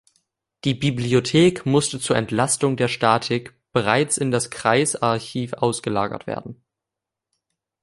Die Bibliothek musste zur Entlastung der Statik bereits in das Kreisarchiv ausgelagert werden.